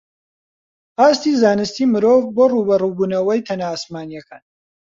ئاستی زانستی مرۆڤ بۆ ڕووبەڕووبوونەوەی تەنە ئاسمانییەکان